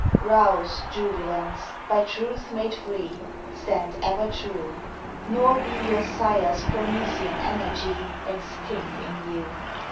Rouse, Jubilants, by Truth made free, Stand ever true; Nor be your sires Promethean energy Extinct in you.